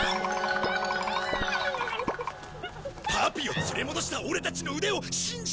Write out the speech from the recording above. パピを連れ戻したオレたちの腕を信じてくれよ！